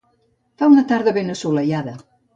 Fa una tarda ben assolellada.